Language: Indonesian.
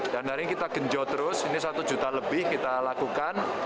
dan hari ini kita genjau terus ini satu juta lebih kita lakukan